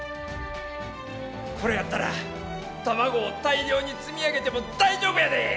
これやったら卵を大量に積み上げても大丈夫やで！